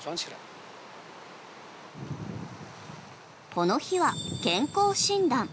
この日は健康診断。